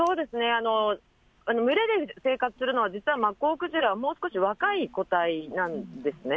群れで生活するのは、実はマッコウクジラ、もう少し若い個体なんですね。